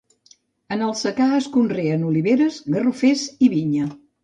En el secà es conreen oliveres, garroferes i vinya.